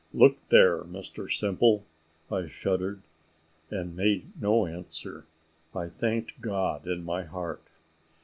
"Look there, Mr Simple." I shuddered, and made no answer; but I thanked God in my heart.